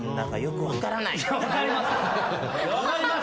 分かります！